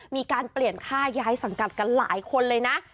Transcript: มีการเปลี่ยนค่าย้ายสังกัดกันหลายคนเลยนะ